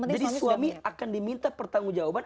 jadi suami akan diminta pertanggung jawaban